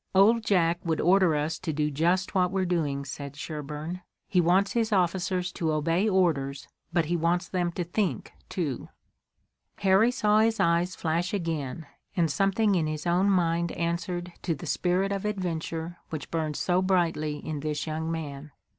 "Old Jack would order us to do just what we're doing," said Sherburne. "He wants his officers to obey orders, but he wants them to think, too." Harry saw his eyes flash again, and something in his own mind answered to the spirit of adventure which burned so brightly in this young man.